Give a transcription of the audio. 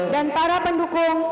dan para pendukung